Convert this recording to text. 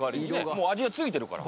もう味が付いてるから。